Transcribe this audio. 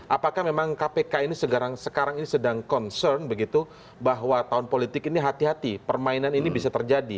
apakah memang kpk ini sekarang ini sedang concern begitu bahwa tahun politik ini hati hati permainan ini bisa terjadi